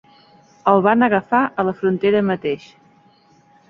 El van agafar a la frontera mateix.